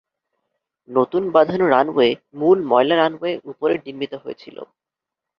নতুন বাঁধানো রানওয়ে মূল ময়লা রানওয়ে উপরে নির্মিত হয়েছিল।